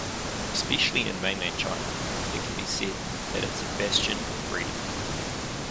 Especially in mainland China, it can be said that it's a bastion of freedom.